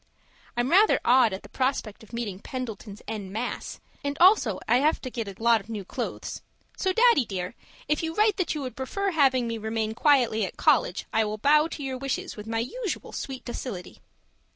I'm rather awed at the prospect of meeting Pendletons EN MASSE, and also I'd have to get a lot of new clothes so, Daddy dear, if you write that you would prefer having me remain quietly at college, I will bow to your wishes with my usual sweet docility.